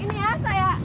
yaudah ya ini ya